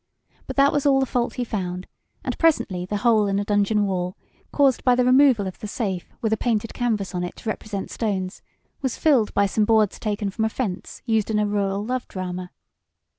But that was all the fault he found, and presently the hole in the dungeon wall, caused by the removal of the safe with a painted canvas on it to represent stones, was filled by some boards taken from a fence used in a rural love drama.